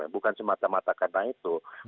bukan semata mata karena itu